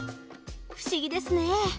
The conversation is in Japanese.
不思議ですね。